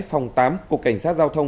phòng tám cục cảnh sát giao thông